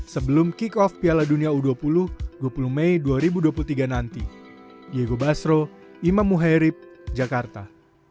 sebelum kick off piala dunia u dua puluh dua puluh mei dua ribu dua puluh tiga nanti